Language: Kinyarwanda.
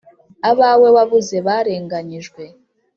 Abawe wabuze barenganyijwe